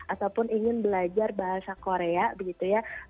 ataupun ingin belajar bahasa korea begitu ya